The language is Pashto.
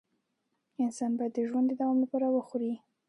انسان باید د ژوند د دوام لپاره وخوري